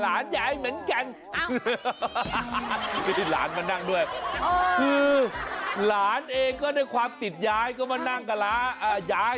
หลานยายเหมือนกันไม่ได้หลานมานั่งด้วยคือหลานเองก็ด้วยความติดยายก็มานั่งกับหลานยาย